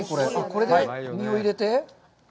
これで、実を入れて？